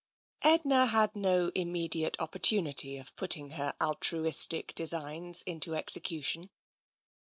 X Edna had no immediate opportunity of putting her altruistic designs into execution.